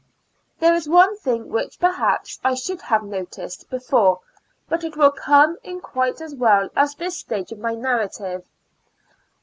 There is one thing which, perhaps, I should have noticed before, but it will come in quite as well at this stage of my narrative.